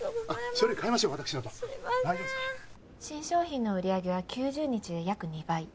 新商品の売り上げは９０日で約２倍。